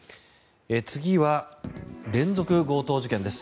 次は、連続強盗事件です。